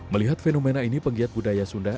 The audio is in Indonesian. melihat fenomena ini penggiat budaya sunda